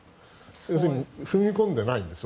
要するに踏み込んでないんですね